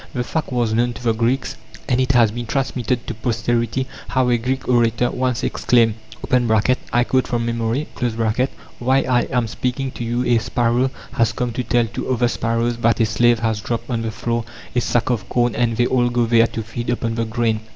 The fact was known to the Greeks, and it has been transmitted to posterity how a Greek orator once exclaimed (I quote from memory): "While I am speaking to you a sparrow has come to tell to other sparrows that a slave has dropped on the floor a sack of corn, and they all go there to feed upon the grain."